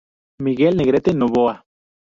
Miguel Negrete Novoa.